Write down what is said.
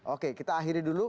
oke kita akhiri dulu